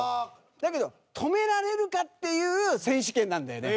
だけど、止められるかっていう選手権なんだよね。